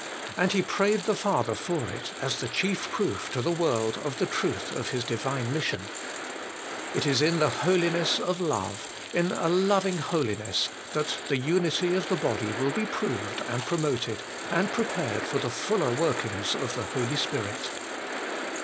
And He prayed the Father for it as the chief proof to the world of the truth of His Divine mission. It is in the holiness of love, in a loving holiness, that the unity of the body will be proved and promoted, and prepared for the fuller workings of the Holy Spirit.